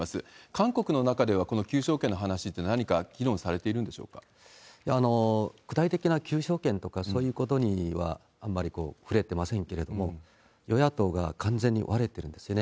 韓国の中では、この求償権の話って何か議論され具体的な求償権とか、そういうことにはあんまり触れてませんけれども、与野党が完全に割れてるんですよね。